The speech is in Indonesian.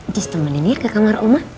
jus temenin ya ke kamar oma